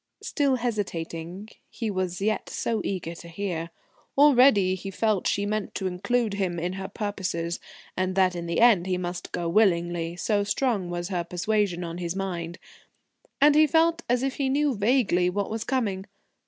Still hesitating, he was yet so eager to hear. Already he felt she meant to include him in her purposes, and that in the end he must go willingly. So strong was her persuasion on his mind. And he felt as if he knew vaguely what was coming.